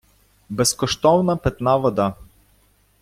Безкоштовна питна вода.